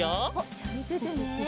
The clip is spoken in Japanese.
じゃあみててね。